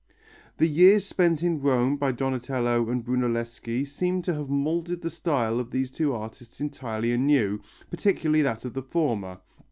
The years spent in Rome by Donatello and Brunelleschi seem to have moulded the style of these two artists entirely anew, particularly that of the former.